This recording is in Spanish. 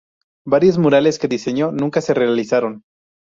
Varios murales que diseñó nunca se realizaron.